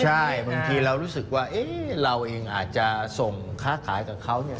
ใช่บางทีเรารู้สึกว่าเราเองอาจจะส่งค้าขายกับเขาเนี่ย